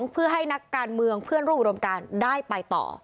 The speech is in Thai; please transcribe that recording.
เพื่อให้นักการเมืองเพื่อนร่วมอุดมการได้ไปต่อ